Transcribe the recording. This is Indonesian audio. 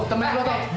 kamu masuk situ ya